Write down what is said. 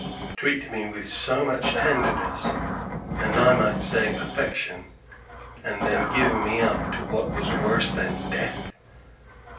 Treat me with so much tenderness, and I might say affection, and then give me up to what was worse than death?